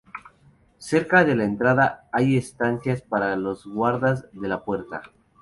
Cerca de la entrada, hay estancias para los guardas de la puerta.